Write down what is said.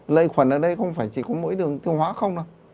lây khuẩn ở đây không phải chỉ có mỗi đường tiêu hóa không đâu